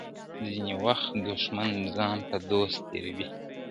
ځيني وخت دښمن ځان په دوست تیروي.